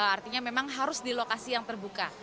artinya memang harus di lokasi yang terbuka